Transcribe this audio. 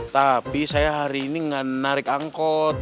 tapi saya hari ini gak narik angkot